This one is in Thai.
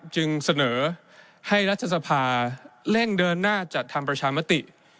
จึงเสนอให้รัฐสภาเร่งเดินหน้าจัดทำประชามติ